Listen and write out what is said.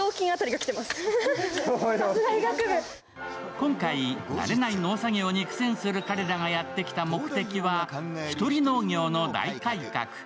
今回、慣れない農作業に苦戦する彼らがやってきた目的は、ひとり農業の大改革。